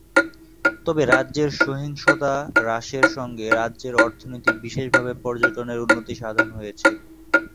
তবে, রাজ্যের সহিংসতা হ্রাসের সঙ্গে রাজ্যের অর্থনীতি বিশেষভাবে পর্যটনের উন্নতি সাধন হয়েছে।